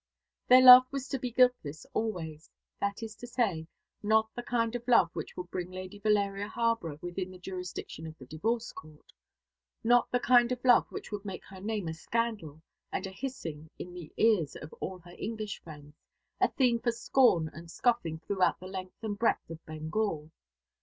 Their love was to be guiltless always that is to say, not the kind of love which would bring Lady Valeria Harborough within the jurisdiction of the Divorce Court: not the kind of love which would make her name a scandal and a hissing in the ears of all her English friends, a theme for scorn and scoffing throughout the length and breadth of Bengal.